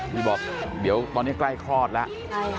นี่บอกเดี๋ยวตอนนี้ใกล้คลอดแล้ว